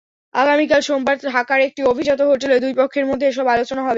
আগামীকাল সোমবার ঢাকার একটি অভিজাত হোটেলে দুই পক্ষের মধ্যে এসব আলোচনা হবে।